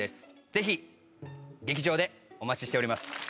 ぜひ劇場でお待ちしております